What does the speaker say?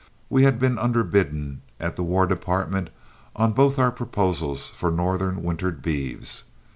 We had been underbidden at the War Department on both our proposals for northern wintered beeves.